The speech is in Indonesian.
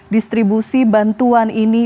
distribusi bantuan ini